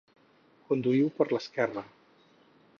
Conduïu per l'esquerra.